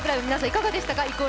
いかがでしたか？